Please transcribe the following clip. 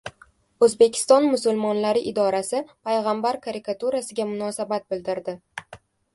O‘zbekiston musulmonlari idorasi Payg‘ambar karikaturasiga munosabat bildirdi